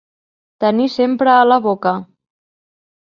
Tenir sempre a la boca.